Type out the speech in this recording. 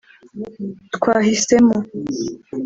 twahisemo